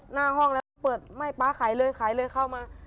หน้าห้องแล้วก็เปิดไม่ป๊าขายเลยขายเลยเข้ามา